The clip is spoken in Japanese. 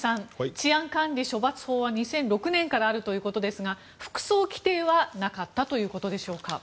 治安管理処罰法は２００６年からあるということですが服装規定はなかったということでしょうか。